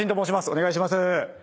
お願いします。